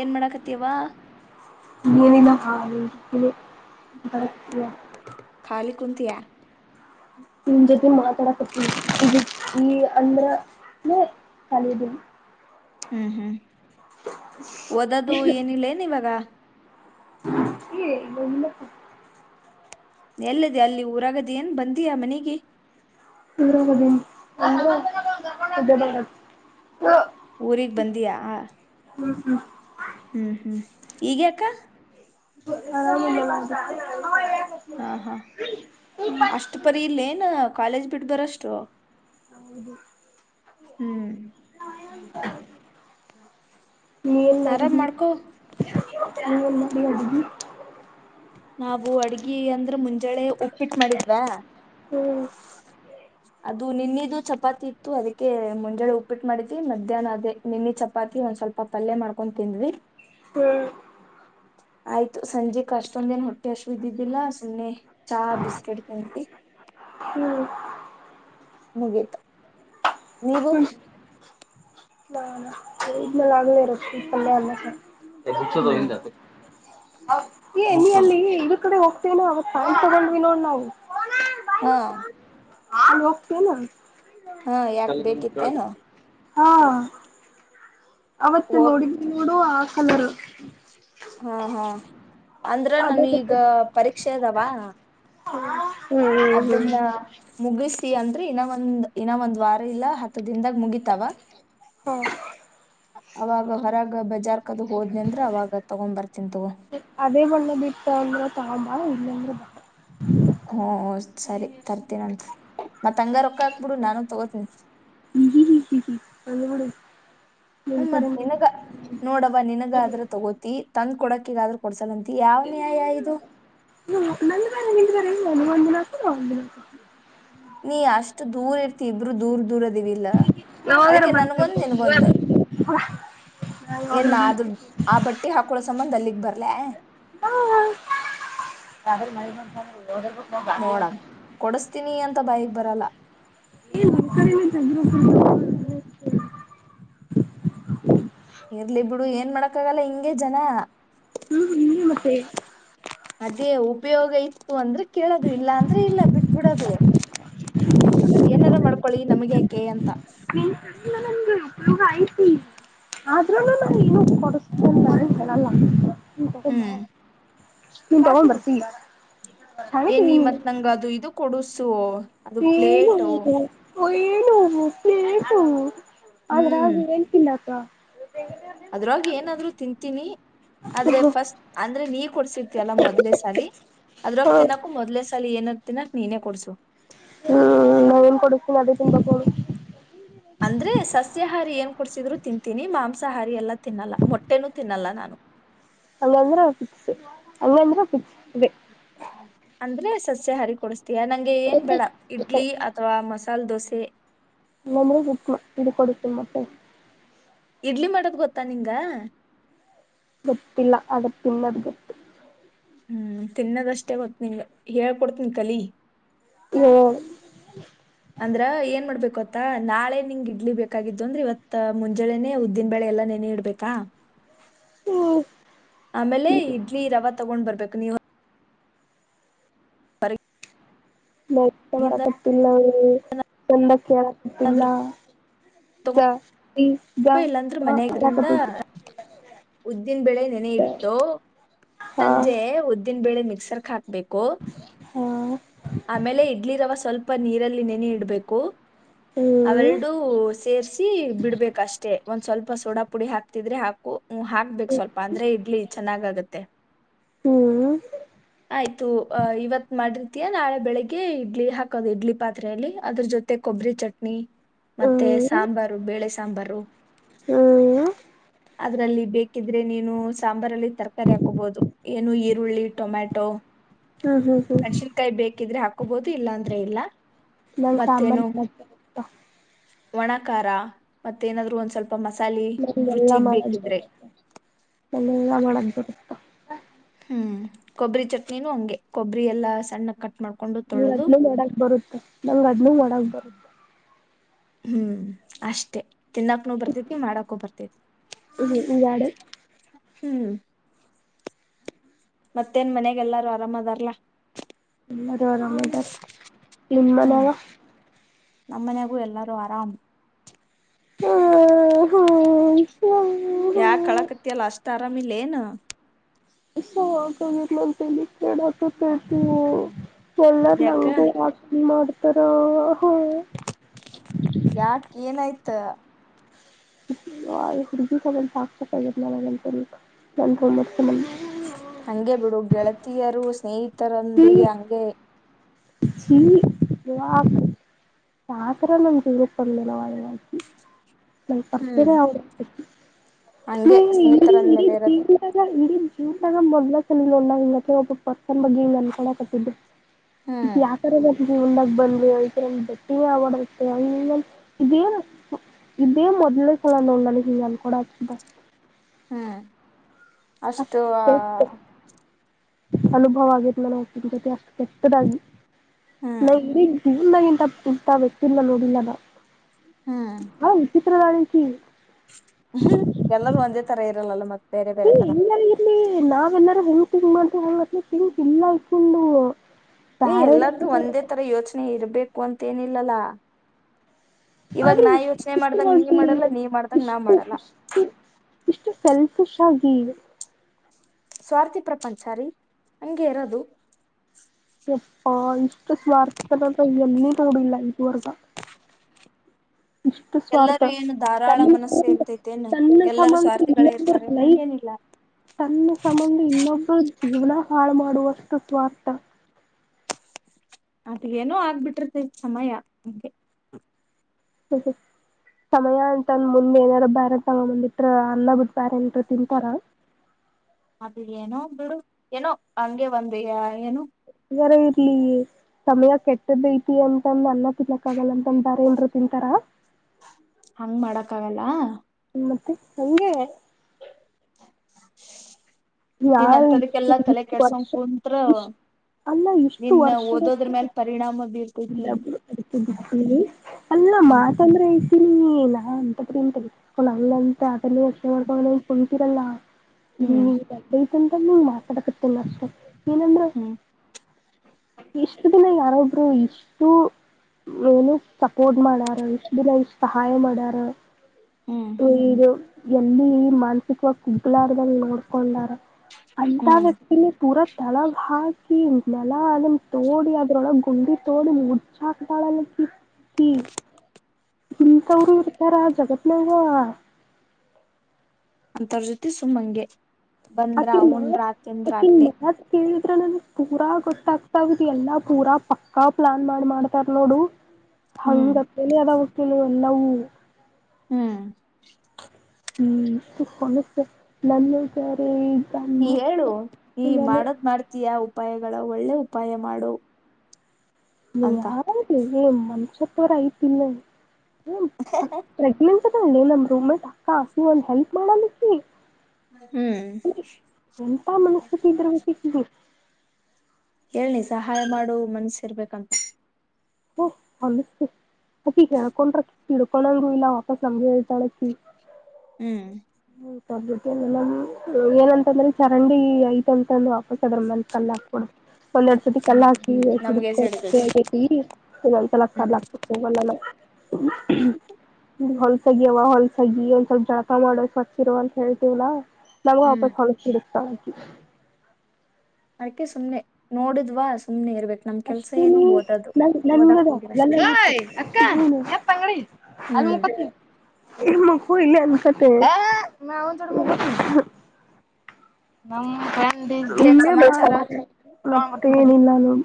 ಏನ್ ಮಾಡಾಕತ್ತೀವಾ ನಿನಗ [unintelligible] [unintelligible] ಖಾಲಿ ಕುಂತ್ಯ? ನಿಮ್ ಜೊತೆ ಮಾತಾಡಕ್ಕತ್ತೀನಿ ಇದ ಈ ಅಂದ್ರೆ ಏ ಖಾಲಿ ಇದೀನಿ. ಹ್ಮ್ ಹ್ಮ್ ಓದೋದು ಏನಿಲ್ಲೇನ್ ಇವಾಗ? ಏ ಇಲ್ಲ ಇಲ್ಲಪಾ ಎಲ್ಲಿದಿಯಾ ಅಲ್ ಊರಾಗ್ ಅದ್ದೀಯೇನ್? ಬಂದ್ಯಾ ಮನೆಗೆ? [inaudible] ಊರಿಗ್ ಬಂದ್ಯಾ? ಹ್ಮ್ ಹ್ಮ್ ಹ್ಮ್ ಈಗ ಅಕ್ಕ? [inaudible] ಹಾಂ ಹಾಂ ಅಷ್ಟ್ ಪರಿ ಇಲ್ಲೇನು? ಕಾಲೇಜ್ ಬಿಟ್ ಬರೋಷ್ಟು ಹೌದು ಹ್ಮ್ ನೀ ಏನ್ ಆರಾಮ್ ಮಾಡಿದ್ದಿ ಮಾಡ್ಕೊ ನೀ ಏನ್ ಮಾಡ್ [inaudible] ನಾವು ಅಡಗಿ ಅಂದರೆ ಮುಂಜಾನೆ ಉಪ್ ಉಪ್ಪಿಟ್ ಮಾಡಿದ್ರ ಹ್ಮ್ ಅದ್ ದು ನೆನ್ನೆದು ಚಪಾತಿ ಇತ್ತು ಅದಕ್ಕೆ ಮುಂಜಾನೆ ಉಪ್ಪಿಟ್ ಮಾಡಿದ್ವಿ ಮಧ್ಯಾಹ್ನ ಅದೇ ನಿನ್ನೆ ಚಪಾತಿ ಒಂದ್ ಸ್ವಲ್ಪ ಪಲ್ಯ ಮಾಡ್ಕೊಂಡ್ ತಿಂದ್ವಿ. ಹ್ಮ್ ಆಯ್ತು ಸಂಜೆ ಕ ಅಷ್ಟೊಂದ್ ಏನು ಹೊಟ್ಟೆ ಹಸ್ವ್ ಇದ್ದಿದ್ದಿಲ್ಲ ಸುಮ್ನೆ ಚಹಾ ಬಿಸ್ಕೆಟ್ ತಿಂದ್ವಿ. ಹ್ಮ್ ಮುಗಿತು. ನೀವು? [unintelligible] ರೊಟ್ಟಿ ಪಲ್ಯ ಅನ್ನ ಸಾರು. ಎಬ್ಬುರ್ಸೋದು ಹ್ಮ್ ಹಿಂದ [inaudible] ಏ ನೀನು ಅಲ್ಲಿ ಇದು ಆ ಕಡೆ ಹೋಗ್ತೀನಿ ಅವತ್ ಕಾಣ್ಸೋದಿಲ್ವೆನೋ ನಾವು? ಹಾ [unintelligible] ಹೋಗ್ತಿಯೇನ? ಅ ಯಾಕ್ ಬೇಕಿತ್ತೇನು? ಹಾ ಅವತ್ ಹೋಗ್ ನೋಡಿದಿ ನೋಡು ಹಲ್ಲರು ಹಾ-ಹಾ. ಅಂದ್ರ ನಮೀಗ ಪರೀಕ್ಷೆ ಅದಾವ ಆ ಅದನ್ನ ಮುಗಿಸ ಅಂದ್ರಿ ಇನ್ನ ಒಂದ್ ಇನ್ನ ಒಂದ್ ವಾರ ಇಲ್ಲ ಹತ್ತ ಹತ್ತ್ ದಿನ್ದಾಗ ಮುಗಿತಾವ ಹ ಅವಾಗ ಹೊರಗ ಬ ಬಜಾರ್ ಕದು ಹೋದ್ನ ಅಂದ್ರ ಅವಾಗ ತಗೊಬರ್ತಿನಿ ತಗೋ ಹಾ ಇಲ್ಲ ಅಂದ್ರೆ ಬ ಹ ಓ ಸರಿ ತರ್ತೀನಂತ ಮತ್ ಅಂಗಾರ್ ರೊಕ್ಕಾ ಹಾಕ್ಬಿಡು ನಾನು ತಗೋತಿನಿ ಇ-ಇ-ಇ ಬಂದ್ಬಿಡು ಹ್ಮ ಮತ್ತ್ ನಿನಗ ನೋಡವ ನಿನಗ ಅದ್ರ ತಗೋತಿ ತಂದ್ ಕೊಡಕ್ ಕಿಗೆ ಆದ್ರೆ ಕೊಡ್ಸಲ ನ ಹನುಮಂದಿನಕ ನ ಒಂದಿನ ನೀ ಅಷ್ಟು ದೂರ ಇರ್ತಿ ಇಬ್ರು ದೂರ ದೂರ ಲ್ಲ ಯಾವಾಗಾರ ಅದಕ್ಕೆ ನನ್ಗೊಂದ್ ನನ್ಗೊಂದ ಏನ್ ಅ ಬಂದ್ರೆ ಆ ಬಟ್ಟಿ ಹಾಕಳೋ ಸಂಬಂಧ ಅಲ್ಲಿಗ್ ಬರ ಲ್ಲ ಹ ಯ್ರ ಮಳ ಬಂದಾದ್ರರು ನೋಡ ಕೊಡಸ್ತೀನಿ ಅಂತ ಬಾಯಗ್ ಬರಲ್ಲ ನಮ್ಮಕ ಇರ್ಲಿ ಬಿಡು ಏನ್ ಮಾಡಕ್ಕ ಆಾಗಲ್ಲ ಹಿಂಗೆ ಜನ ಹ್ಮ್ ನಿ ಮತ್ತೆ ಅದೇ ಉಪಯೋಗ ಇತ್ತು ಅಂದ್ರೆ ಕೇಳದು ಇಲ್ಲ ಅಂದ್ರೆ ಇಲ್ಲ ಬಿಟ್ ಬಿಿಡದು ಏನಾರು ಮಾಡ್ಕೊಳ್ಳಿ ನಮ್ಗೆ ಈ ಹ್ಮ್ ಇ ನನ್ಗೆ ಉಪಯೋಗ ಐತಿ ಆದ್ರೂ ನಗೆ ಏನ ಕೊಡ ಅಂತ ಹೇಳಲ್ಲ ಹ ಹ್ಮ್ ನೀ ಪವಾನ್ ಬರ್ತೀ ಏನ್ ಮತ್ ನಂಗ ಅದು ಇದು ಕೊಡಸು ಸ ಅದು ಪ್ಲೇಟು ಏನು ಒಬ್ನೇ ಏನು ಆದ್ರೆ ಹಾಗೆ ಹೇಳ್ತಿಲ್ಲ ಅಕ್ಕ ಅದ್ರಾಗ ಏನಾದ್ರು ತಿನ್ಂತೀನಿ ಆದ್ರೆ ಹ್ಮ್ ಫಸ್ಟ್ ಅಂದ್ರೆ ನೀ ಕೊಡ್ಸಿರ್ತಿ ಅಲ್ಲ ಮೊದುಲ್ನೇಸರಿ ಅದ್ರಾಗ ತಿನ್ನಕು ಮೊದ್ಲೇ ಸಾಲಿ ಏನ ತ್ತಿನಕ್ ನೀನೇ ಕೊಡ್ಸು ಹ್ಮ ನನ್ ಏನ್ ಕೊಡುಸ್ತೀನಿ ಅದೇ ತಿನ್ ಬೇಕ್ ಅಮಿ ಅಂದ್ರೆ ಸಸ್ಯಹಾರಿ ಏನ್ ಕೊಡ್ಸಿದ್ರು ತಿಂತೀನಿ ಮಾಂಸಾಹಾರಿ ಎಲ್ಲಾ ತಿನ್ನಲ್ಲ ಮೊಟ್ಟ ಏನು ತಿನ್ನಲ್ಲ ನಾನು ಹಂಗಂದ್ರೆ ಫಿಕ್ಸ್ ಹಂಗಂದ್ರೆ ಫಿಕ್ಸ್ ಇದೆ. ಅಂದ್ರೆ ಸಸ್ಯ ಹಾರಿ ಕೊಡಸ್ ನಂಗೆ ಏನ್ ಬೇಡ ಇಡ್ಲಿ ಅಥವಾ ಮಸ್ ಮಸಲ್ ದೋಸೆ ಹ ಇಡ್ಲಿ ಮಾಡದ ಗೊತ್ತಾ ನಿಂಗ ಗೊತ್ತಿಲ್ಲ ಅದ್ ತಿನ್ನಕ್ಕೆ ಹ್ಮ್ ತಿನ್ನದಷ್ಟೇ ಗೊತ್ತ ನಿಂಗ್ ಹೇಳ್ಕೊಡ್ತೀನಿ ಕಲಿ. ಹೇ ಅಂದ್ರ ಏನ್ ಮಾಡ್ಬೇಕ್ ಗೊತ್ತ ನಾಳೆ ನಿಂಗ್ ಇಡ್ಲಿ ಬೇಕಾಗಿದ್ದು ಅಂದ್ರೆ ಇವತ್ತ ಮುಂಜಳೆನೆೇ ಉದ್ದಿನ ಬೇಳೆ ಎಲ್ಲ ನೆನೆ ಇಡ್ಬೇಕಾ. ಹ್ಮ್ ಆಮೇಲೆ ಇಡ್ಲಿ ರವ ತಗೊಂಡ್ ಬರ್ಬೇಕ್ ನೀವ್ ಅರಿ ನೆಟ್ ಬರಾಕತ್ತಿಲ್ಲೆ ತಂದ ಕೇಳತ್ತ್ ಇಲ್ಲ ಚ ಈ ತುಂಬ ಇಲ್ಲಾಂದ್ರೆ ಮನೆದ್ರಿಂದ ಉದ್ದಿನ ಬೆಳೆ ನೆನೆ ಇಟ್ಟು ಹಾ ಸಂಜೆ ಉದ್ದಿನ್. ಬೆಳೆ ಮಿಕ್ಸರ್ ಆಕ್. ಬೇಕು ಹಾ ಹ್ಮ್ ಆಮೇಲೆ ಇಡ್ಲಿ ರವೆ ಸ್ವಲ್ಪ ಲ್ಪ ನೀರಲ್ಲಿ ನೆನೆ ಇಡ್ಬೇಕು. ಅವೆರಡೂ ಸೇರ್ಸಿ ಬಿಡ್ಬೇ ಎ ಒಂದ್ ಸ್ವಲ್ಪ ಸೋಡಾ ಪುಡಿ ಹಾಕ್ತಿದ್ರೆ ಹಾಕು. ಹ್ಮ್ ಹಕ್ಬೇಕ್ ಸ್ವಲ್ಪ ಅಂದ್ರೆ ಇಡ್ಲಿ ಚೆನ್ನಾಗಾಗ ತೇ. ಹ್ಮ್ ಹ್ಮ್ ಆಯ್ತು ಅ ಇವತ್ ಮಾಡಿರ್ ತಿಯ ನಾಳೆ ಬೆಳಿಗ್ಗೆ ಇಡ್ಲಿ ಹಾಕೋದು ಇಡ್ಲಿ ಪಾತ್ರೆಯಲ್ಲಿ ಅದ್ರ ಜೊತೆ ಕೊಬ್ಬರಿ ಚಟ್ನಿ ಮತ್ತೆ ಸಾಂಬಾರು ಬೇಳೆಸ್. ಸಾಂಬಾರು ಹ್ಮ ಅದ್ರಲ್ಲಿ ಬೇಕಿದ್ರೆ ನೀನು ಸಾಂಬಾರಲ್ಲಿ ತರಕಾರಿ ಹಾಕೋಬೊದು ಏನು ಈರುಳ್ಳಿ ಟೊಮ್ಯಾಟೊ ಹ್ಮ್ ಹ್ಮ್ ಮೆಣ್ಸಿನ್ಕಾಯಿ ಬೇಕಿದ್ರೆ ಹಾಕೋಬೋದು ಇಲ್ಲಾಂದ್ರೆ ಇಲ್ಲ ನಂಗ್ ಸಾಂಬಾರ್ ಮತ್ತೇನು ಮಾಡಕ್ ಬರುತ್ತ ಒಣಕಾರ ಮತ್ತೇಏನಾದ್ರು ಒಂದ ಸ್ವಲ್ಪ್ ನಂಗೆಲ್ಲಾ ಮಾಡನ್ [unintelligible] ನಾನೆಲ್ಲ ಮಾಡದ್ ಬೇರೆ. ಊ ಆ ಹ್ಮ್ ಕೊಬ್ಬರಿ ಚಟ್ನಿನೂ ಹಂಗೆ ಕೊಬ್ಬರಿ ಎಲ್ಲ ಸಣ್ಣ ಕಟ್ ಮಾಡ್ ನೀ ಅದಲು ಮಾಡಕ್ ಬರುತ್ತೆ ನಂಗ್ ಅದಲು ಮಾಡಕ್ ಬರುತ್ತೆ.. [unintelligible] ಹ್ಮ್ ಅಷ್ಟೇ.. [inaudible] ತಿನ್ನಕ್ನ ಬರ್ತೇತಿ ಮಾಡಕೋ ಬರ್ತೇತಿ... ಹ್ಮ್ ಈ ಯಾಡು [unintelligible] ಹ್ಮ್.. [inaudible] ಮತ್ತೇನ್ ಮನೆಗೆಲ್ಲಾರು ಆರಾಮ್ದಾರ್ಲ್ಲ.. [unintelligible] ಇಲ್ಲರಾಮೇದ ನಿ ಮನರ.. [inaudible] ನಮ್ಮನಾಗೂ ಎಲ್ಲಾರು ಆರಾಮ್... [unintelligible] ಹ ಹ್ಮ.. [inaudible] ಯಾ ಕಳಕತಲ್ಲ ಅಷ್ಟ ಆರಾಮ ಇಿಲ್ಲ ಏನು.. [inaudible] ಲ ಕಡತ.. [inaudible] ಎಲ್ಲ ಯಾಕ ನಂಗು ಚಾತ್ರಿ ಮಾಡ.. [inaudible] ಸರ.. [inaudible] ಯಾಕ ಏನಾಯ್ತು.. [inaudible] ತ್ತ.. [inaudible] ಹಡುಗಿ ತಬ ಸಾತ ನ ನ ನಟ.. [inaudible] ಹಗೆ ಬಿಡು ಗೆಳತಿಯರು ಸ್ನೇಹಿತ.. [inaudible] ತರಂದಿಗೆ ಹಂಗೆ.. [inaudible] ಚ ಸಾಕರ ನಂ ಉರುಪ ನಲ್ಲವಳಕಿ.. [inaudible] ನ ಹ್ಮ್ ಬರ್ತನೆ ಅವ.. [inaudible] ಮ ಹಂಗೆ ಇಡೀ ಇಡೀ ಸ್ನೇಹಿತರಂದ್ಮೇಲೆ ಇರೋದು ಜೀವದಾಗ ಇಡೀನ್ ಜೀವದಾಗ ಎಲ್ಲ [unintelligible] ಬಗ್ಗೆ ಇಂಗ್ ಅನ್ಕೊಣ ಕಟ್ಟಿದ್ದೆ ಹ್ಮ್ ಯಾಕರ ನಮ್ಮ್ ಜೀವನದಾಗ ಬಂದ್ [unintelligible] ಇದೇನ್ ಇದೇನ್ ಮೊದಲೇ ಸಲ [unintelligible] ಹ್ಮ್. ಅಷ್ಟು ಅನುಭವ ಆಗಿತ್ ನನಗ ಆಕಿ ಜೊತೆ ಅಷ್ಟು ಕೆಟ್ಟದಾಗಿ ಹ್ಮ್ ನಾ ಇಡೀ ಜೀ ಚಂದಾಗಿಂತ ಇಂತಾ ವ್ಯಕ್ತಿಲ್ಲ ನೋಡಿಲ್ಲ ನ.. [inaudible] ಹ್ಮ್ ರಾಣಕಿ ಹ್ಮ್ ಎಲ್ಲರೂ ಒಂದೇ ತರ ಇರ ನಲ್ಲ ಮತ್ ಬೇರೆ ಹೆ ಬೇರೆ ತರ ಹೆಂಗ್ ಆಗಿರ್ಲಿ ಹೆ ನಾವೆಲ್ಲಾರೂ ಹೆಂಗ್ ಥಿಂಕ್ ಮಾಡ್ತೀವಿ ಹಂಗತಿ ತಿಂಕ್ ಇಲ್ಲ ಅಕಿಂದು ಏ ಎಲ್ಲಾರ್ದು ಒಂದೇ ತರ ಯೋಚನೆ ಇರ್ಬೇಕ್ ವಂತ್ ಏನಿಲ್ಲಲ್ಲ ಆದ್ರೂ ಇಷ್ಟ ಇಟ್ರು ಅಕಿ ಮಾಡಲ್ಲ ನೀ ಮಾಡ್ದಂಗ ನಾ ಇಷ್ಟು ಮಾಡಲ್ಲ ಇಷ್ಟು ಇಷ್ಟು ಸೆಲ್ಫಿಶ್ ಅಗ್ಗಿದು ಸ್ವಾರ್ಥಿ ಪ್ರಪಂಚ ರೀ ಹಂಗೆ ಇರೋದು ಯಪ್ಪೋ ಇಷ್ಟು ಸ್ವಾರ್ಥದಲ್ಲಿ ಅಂತೂ ಎಲ್ಲೂ ನೋಡಿಲ್ಲ ಇದುವರೆಗೂ ಇಷ್ಟು ಸ್ವಾರ್ಥ ಎಲ್ಲರೂ ಏನು ಧಾರಾಳ ತನ್ನ ಮನಸ್ಸು ಇರ್ತೈತೇನು ತನ್ನ ಎಲ್ಲರೂ ಸಂಬಂಧ ಸ್ವಾರ್ಥಿಗಳೇ ಇನ್ನೊಬರ ಇರ್ತಾರೆ ಲೈಫ್ ಹಂಗೇನಿಲ್ಲ ತನ್ನ ಸಂಬಂಧ ಇನ್ನೊಬ್ಬರ್ ಜೀವನ ಹಾಳು ಮಾಡುವಷ್ಟು ಸ್ವಾರ್ಥ ಅದ ಏನೋ ಆಗ್ಬಿಟ್ಟಿರ್ತೈತಿ ಸಮಯ ಅಂಗೆ ಹ ಸಮಯ ಅಂತಂದ ಮುಂದೆ ಏನಾರ ಬ್ಯಾರೆದ ತಗೊ ಬಂದ್ಬಿಟ್ರ ಅನ್ನ ಬಿಟ್ಟ ಬ್ಯಾರೆ ಏನರ ತಿಂತಾರ ಅದು ಏನೋ ಬಿಡು ಏನೋ ಹಂಗೆ ಒಂದು ಏನು ಹೇಗರ ಇರ್ಲಿ ಸಮಯ ಕೆಟ್ಟದ ಐತಿ ಅಂತಂದ ಅನ್ನ ತಿನ್ನಕ್ಕ ಆಗಲ್ಲ ಅಂತಂದು ಬ್ಯಾರೆ ಏನ್ರ ತಿಂತಾರ ಹಂಗ್ ಮಾಡಕ್ ಆಗಲ್ಲ ಮತ್ತೆ ಹಂಗೆ ನೀನ್ ಯಾರ ಇಷ್ಟು ಅಂತದಕ್ಕೆಲ್ಲಾ ತಲೆ ಇಷ್ಟು ಕೆಡಿಸ್ಕೊಂಡು ವರ್ಷ ಕುಂತ್ರ ಇಷ್ಟ ಅಲ್ಲ ಇಷ್ಟು ನಿನ್ ಓದೋದ್ರ ವರ್ಷದಷ್ಟು ಮೇಲ್ ಪರಿಣಾಮ ಬೀರ್ತ್ ಇಲ್ಲ ಬಿಡು ಅದಕ್ಕೆ ಬಿಟ್ಟಿನಿ ಅಲ್ಲ ಹ್ಮ್ ಮಾತಂದ್ರೆ ಅದು ಸರಿ ನಾ ಅಂತ ಪರಿ ಏನ್ ತಲೆ ಕೆಡಿಸಿಕೊಳ್ಳಲ್ಲ ಅಂಗಂತ ಅದನ್ನೇ ಯೋಚನೆ ಮಾಡಿಕೊಂಡು ಏನ್ ಕುಂತಿರಲ್ಲ ಹ್ಮ್ [unintelligible] ಅಂತಂದು ಮಾತಾಡಕತ್ತಿಲ್ಲ ಅಷ್ಟ ನೀನಂದ್ರ ಹ್ಮ್ ಇಷ್ಟ ದಿನ ಯಾರೊಬ್ರು ಇಷ್ಟು ಏನು ಸಪೋರ್ಟ್ ಮಾಡಾರ ಇಷ್ಟ ದಿನ ಇಷ್ಟ ಸಹಾಯ ಮಾಡಾರ ಹ್ಮ್ ಈ ವಿಡಿಯೋ ಎಲ್ಲಿ ಈ ಮಾನಸಿಕವಾಗಿ ಕುಗ್ಲಾರ್ದಂಗ ನೋಡ್ಕೊಂಡಾರ. ಅಂತ ಹ್ಮ್ ವ್ಯಕ್ತಿನೆ ಪೂರ ಕೆಳಗ್ ಹಾಕಿ ನೆಲ ಹ ಅದನ್ನ ತೋಡಿ ಅದ್ರೊಳಗ್ ಗುಂಡಿ ತೋಡಿ ಮುಚ್ಚಾಕತಾಳ ಅಕಿ ಇಂಥವರು ಇರ್ತಾರ ಜಗತ್ತ ನುಂಗ ಅಂತರ್ ಜೊತೆ ಸುಮ್ಮಂಗೆ ಬಂದ್ರ ಅಕಿನ್ ಉಂಡ್ರ ಮಾತ್ ತಿಂದ್ರ ಆಕಿನ ಅಟ್ಟೆ ಮಾತ್ ಕೇಳು ತ್ರ ನಂಗ ಪೂರಾ ಗೊತ್ತಾಗ್ತಾವತ್ ಎಲ್ಲಾ ಪೂರಾ ಪಕ್ಕಾ ಪ್ಲಾನ್ ಮಾಡ್ ಮಾಡ್ತಾರ ನೋಡು ಹ್ಮ್ ಹಂಗ ತಲೆ ಅದಾವ ಅಕಿನ್ವೂ ನೌ ಹ್ಮ್ ಹ್ಮ್ ಮ ನಾರೆ [unintelligible] ಹೇಳು ಈ ಮಾಡೋದ್ ಮಾಡ್ತಯಾ. ಉಪಾಯಗಳ ಒಳ್ಳೆ ಉಪಾಯ ಮಾಡೊ. ನೀ ಹಾ ರೀ ಮನುಷ್ಯತ್ವ ಐತ್ತಿಲ್ಲ ಹ ೇ ನಮ್ ರೂಮ್ ಮಟ್ ಅಕ್ಕ ಒಂದ್ ಹೆಲ್ಪ್ ಮಾಡಲ ಈಕಿ. ಹ್ಮ್ ಎಂತ ಮನಸ್ಥಿತಿ ಇದ್ರರು ಇಕ್ಲಿ [unintelligible] ಹೇಳ್ ನೀ ಸಹಾಯ ಮಾಡೊ ಮನ್ಸಿರ್ಬೇಕಂತ. ಹ ಅ ಅಕಿ ಹೇಳ್ಕೊಂಡ್ರ ಕಣಂಗೂ ಇಲ್ಲ ಹೊಕ ಸಮಜ ಇತಳ [unintelligible] ಹ್ಮ್ ಏನಂತಂದ್ರೆ ಚರಂಡಿ ಈಗ್ ಐತಂದಂದು ಅಕುಷ್ಟಇದರೆ ಮಾಮ್ ಕಲ್ಲ ಹಾಕ್ಬಿಡು. ಒಂದ್ ಎರಡ್ ಸತಿ ಕಲ್ ಹ್ಮ್ ಹಾಕಿ ನಮ್ಗೆ ಸೆಡದು ಹಡಕೊಂಡಟ್ಟಿ ಇನ್ನೊಂದು ಸಲ ಕಲ್ಲ್ ಹ್ಮ್ ಹಾಕ್ಕಾಕ ಹೋಗ್ಲಾಲ ನಾನು. ಹಲ್ ಗ ಅವ ಹೊಲ್ಸಗಿ ಒಂದ ಸ್ವಲ್ಪ ಜಳಕ ಮಾಡಸ ಇರು ಅಂತ ಹೇಳ್ತೀಇಲ್ಲ ನಂಗ ಹ್ಮ್ ವಾಪಸ್ ಹೊ [unintelligible] ತಾಗಿ. ಅದಕೆ ಸುಮ್ನೆ ನೋಡುದ್ವಾ ಸುಮ್ನೆ ಇರ್ಬೇಕ ಅಷ್ಟೇ ನೇ ಹೋಗಿವಷ್ಟೇ ತಂಗಡಿ. ಅದು ಹ್ಮ್ [unintelligible] ಇಲ್ಲಿ ಮಕ್ಕೊ ಇಲ್ಲ ಅವ್ವ ನಾ ಅವನ ಜೋಡಿ ಮಾಕೋತೀನೀ ನಮ್ ಮತ್ತೇನ್ ಇಲ್ಲೇ ಭ. ಸಮಾಚಾರ ಹ್ಟ ಏನಿಲ್ಲಾನು ಲೋ.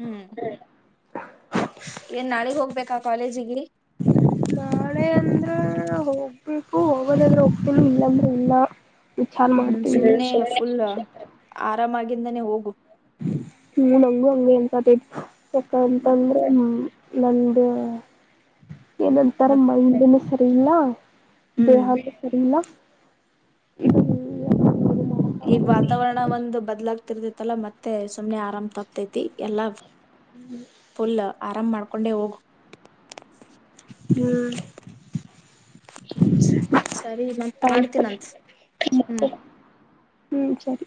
ಹ್ಮ್ ಏನ್ ನಾಳಿಗೆ ಹೋಗ್ಬೇಕ್. ನಾ ಕಾಲೇಜಿಗೆ ನಾಳೆ ಅಂದ್ರೆ ಹೋಗ್ಬೇಕು ಹೋಗೋದಾದ್ರೆ ಹೋಗ್ತೀನಿ ಇಲ್ಲಾಂದ್ರೆ ಇಲ್ಲ. ವಿಚಾರ ಹ್ಮ್ ಮಾಡ್ತೀನಿ ಸುಮ್ನೆ ಫುಲ್ ಆರಾಮಾಗ್. ಇಂದಾನೆ ನೇ ಹೋಗು. ಹ್ಮ್ ನಂಗು ಹಂಗೆ ಇಂಪಾರ್ಟೆಂಟ್ ಮತ್ ಸಕಂತಂದ್ರೆ ನಾ ನಂದಾ ಏನಂತರ ಮತ್ ಮೈಂದಿನ ಸರ್ ತಿಲ್ಲಾ ಹ್ಮ್ ದೇಹಕ್ಕೆ ಸರಿಇಲ್ಲ ಇದು ಹೂ ಅಲ್ಲಾ ಮತ್ತೆ ಸುಮ್ನೆ ಆರಾಮ್ ತಪ್ಪತೈತಿ ಎಲ್ಲಾ ಹ್ಮ್ ಫುಲ್ ಆರಾಮ್ ಮಾಡ್ಕೊಂಡೆ ಹೋಗು ಹ್ಮ್ ಸರಿ ಮತ್ ಆಯ್ತು ಮಾಡ್ತೀನಂತ್ ಹ್ಮ್. ಹ್ಮ್ ಸರಿ